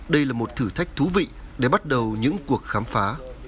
đây là một thử thách thú vị để bắt đầu những cuộc khám phá